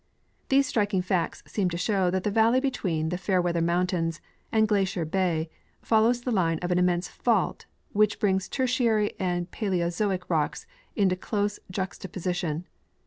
These striking facts seem to show that the valley between the Fairweather mountains and Glacier bay fol lows the line of an immense fault, which brings Tertiary and Paleozoic rocks into close juxtai^osition.